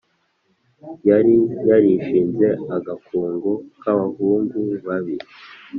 yari yarishinze agakungu k’abahungu babi,